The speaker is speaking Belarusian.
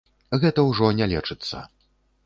Гэта ўжо не лечыцца.